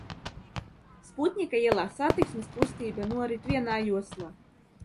Sputņika ielā satiksmes kustība norit vienā joslā.